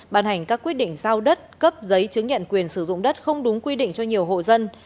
bàn hành các quyết định giao đất cấp giấy chứng nhận quyền sử dụng đất không đúng quy định cho nhiều hộ dân